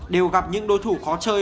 đều gặp những đối thủ khó chơi